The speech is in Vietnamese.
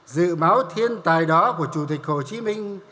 dự báo thiên tài đó của chủ tịch hồ chí minh